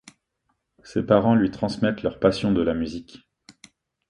Ses parents lui transmettent leur passion de la musique.